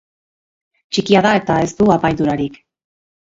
Txikia da eta ez du apaindurarik.